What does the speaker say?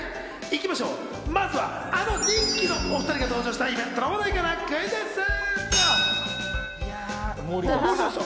行きましょう、まずはあの人気のお２人が登場したイベントの話題からクイズッスと！